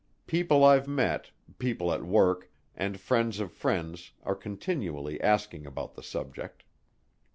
People I've met, people at work, and friends of friends are continually asking about the subject.